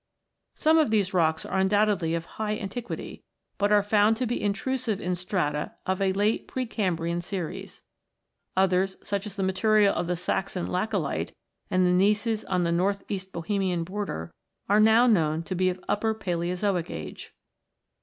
Some of these rocks are undoubtedly of high an tiquity, but are found to be intrusive in strata of a late pre Cambrian series. Others, such as the material of the Saxon laccolite, and the gneisses on the north east Bohemian border, are now known to be of Upper Palaeozoic age.